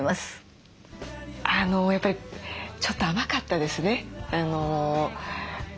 やっぱりちょっと甘かったですね。